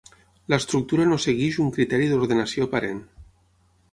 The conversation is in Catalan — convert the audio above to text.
L'estructura no segueix un criteri d'ordenació aparent.